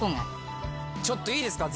ちょっといいですか？